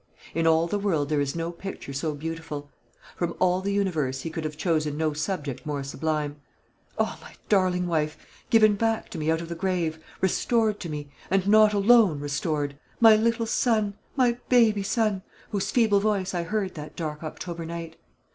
In all the world there is no picture so beautiful. From all the universe he could have chosen no subject more sublime. O my darling wife, given back to me out of the grave, restored to me, and not alone restored! My little son! my baby son! whose feeble voice I heard that dark October night.